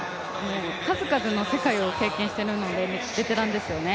数々の世界を経験してるのでベテランですよね。